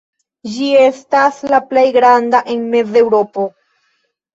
Ĝi estas la plej granda en Mez-Eŭropo.